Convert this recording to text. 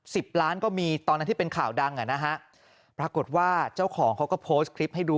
สิบล้านก็มีตอนนั้นที่เป็นข่าวดังอ่ะนะฮะปรากฏว่าเจ้าของเขาก็โพสต์คลิปให้ดู